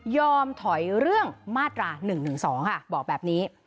ยอมถอยเรื่องมาตรา๑๑๒บอกแบบนี้